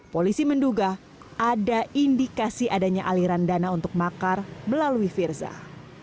polisi menduga ada indikasi adanya aliran dana untuk makar melalui firza